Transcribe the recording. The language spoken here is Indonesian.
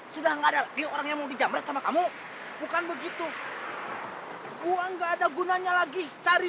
tidak ada orang yang membunuh diri